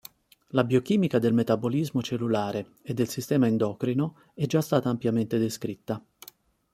La biochimica del metabolismo cellulare e del sistema endocrino è già stata ampiamente descritta.